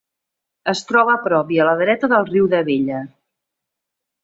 Es troba a prop i a la dreta del riu d'Abella.